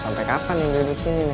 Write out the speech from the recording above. sampai kapan yang duduk sini ya